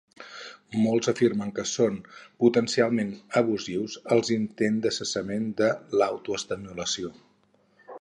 Molts afirmen que són potencialment abusius els intents de cessament de l'autoestimulació.